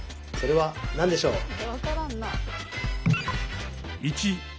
それは何でしょう？